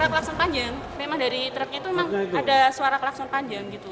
klakson panjang memang dari truknya itu memang ada suara klakson panjang gitu